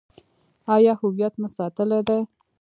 آیا هویت مو ساتلی دی؟